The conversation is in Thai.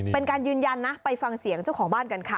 เป็นการยืนยันนะไปฟังเสียงเจ้าของบ้านกันค่ะ